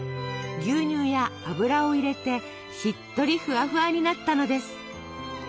牛乳や油を入れてしっとりフワフワになったのです。